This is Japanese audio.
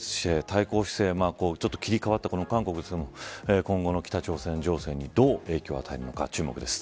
対抗姿勢と切り替わった韓国ですが今後の北朝鮮情勢にどう影響を与えるのか注目です。